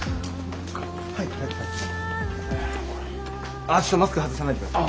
ああちょっとマスク外さないでください。